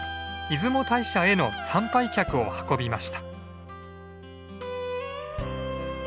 出雲大社への参拝客を運びました。